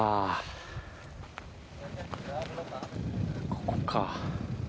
ここか。